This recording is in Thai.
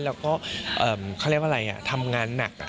แล้วก็เขาเรียกว่าอะไรทำงานหนัก